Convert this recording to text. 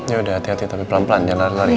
ya udah hati hati tapi pelan pelan jalan lari